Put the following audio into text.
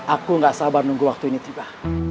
aku gak sabar nunggu waktu ini tiba